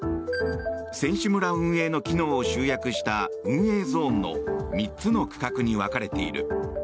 選手村運営の機能を集約した運営ゾーンの３つの区画に分かれている。